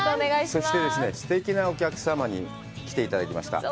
そして、すてきなお客様に来ていただきました。